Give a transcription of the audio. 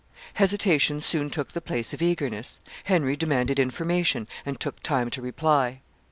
Hesitation soon took the place of eagerness; Henry demanded information, and took time to reply.